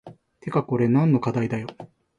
てかこれ何の課題だよ